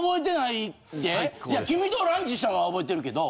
いや君とランチしたんは覚えてるけど。